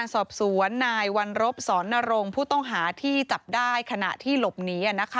รบศรนรงค์ผู้ต้องหาที่จับได้ขณะที่หลบหนี